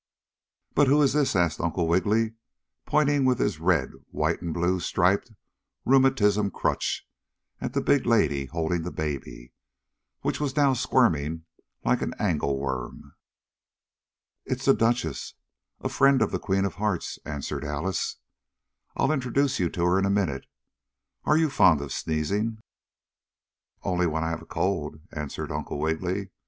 "But who is this?" asked Uncle Wiggily, pointing with his red, white and blue striped rheumatism crutch at the big lady holding the baby, which was now squirming like an angle worm. "It's the Duchess a friend of the Queen of Hearts," answered Alice. "I'll introduce you to her in a minute. Are you fond of sneezing?" "Only when I have a cold," answered Uncle Wiggily.